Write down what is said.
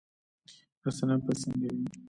رسنۍ باید څنګه وي؟